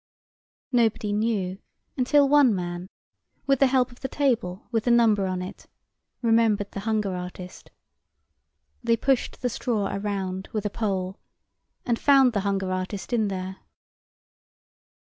Nobody knew, until one man, with the help of the table with the number on it, remembered the hunger artist. They pushed the straw around with a pole and found the hunger artist in there.